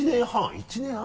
１年半？